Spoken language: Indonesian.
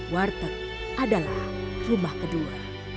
warteg adalah rumah kedua